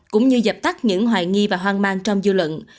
cũng như dập tắt những hoài nghi và hoang mang trong dư luận